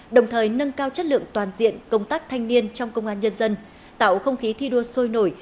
đồng thời nâng cao chất lượng toàn diện công tác thanh niên trong công an nhân dân tạo không khí thi đua sôi nổi